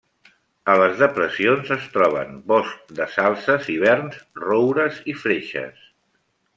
A les depressions es troben boscs de salzes i verns, roures i freixes.